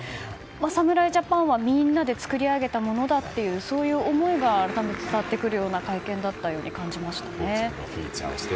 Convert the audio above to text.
侍ジャパンはみんなで作り上げたものだというそういう思いが伝わってくるような会見だったと感じましたね。